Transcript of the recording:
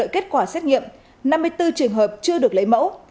kết quả xét nghiệm năm mươi bốn trường hợp chưa được lấy mẫu